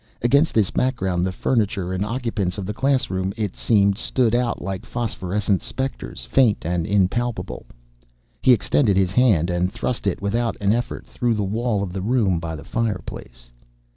Against this background the furniture and occupants of the class room, it seems, stood out like phosphorescent spectres, faint and impalpable. He extended his hand, and thrust it without an effort through the wall of the room by the fireplace.